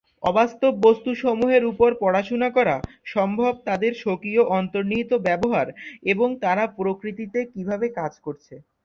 অবাস্তব বস্তু সমূহের উপর পড়াশুনা করা সম্ভব তাদের স্বকীয় অন্তর্নিহিত ব্যবহার এবং তারা প্রকৃতিতে কীভাবে কাজ করছে।